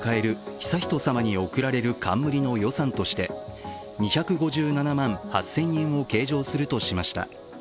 悠仁さまに贈られる冠の予算として２５７万円８０００円を計上するとしました。